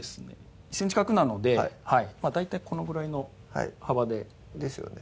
１ｃｍ角なので大体このぐらいの幅でですよね